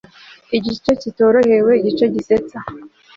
Igicekitorohewe igicegisetsa